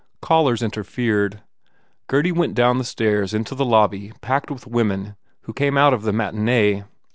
Callers interfered. Gurdy went down the stairs into the lobby packed with women who came out from the matinee.